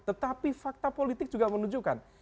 tetapi fakta politik juga menunjukkan